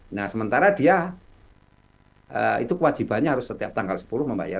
nah sementara dia itu kewajibannya harus setiap tanggal sepuluh membayar